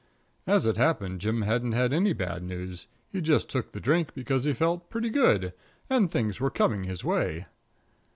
As it happened, Jim hadn't had any bad news; he just took the drink because he felt pretty good, and things were coming his way.